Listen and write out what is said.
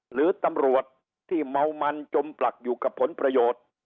หรือตำรวจที่เมามันจมปลักอยู่กับผลประโยชน์